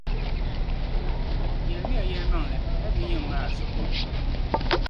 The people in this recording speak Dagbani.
Yɛlimi ya yɛlimaŋli hali bɛ yi yan ŋma a zuɣu.